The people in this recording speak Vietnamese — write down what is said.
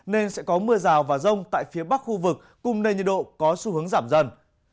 nên sẽ có mưa rào và rông tại phía bắc khu vực cùng nền nhiệt độ có xu hướng giảm dần